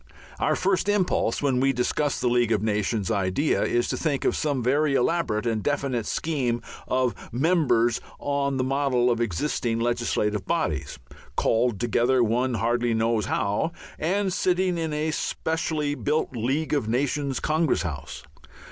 Our first impulse, when we discuss the League of Nations idea, is to think of some very elaborate and definite scheme of members on the model of existing legislative bodies, called together one hardly knows how, and sitting in a specially built League of Nations Congress House.